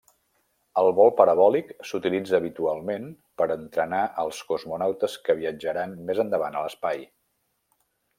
El vol parabòlic s'utilitza habitualment per entrenar els cosmonautes que viatjaran més endavant a l'espai.